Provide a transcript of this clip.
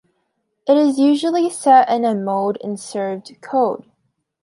It is usually set in a mould and served cold.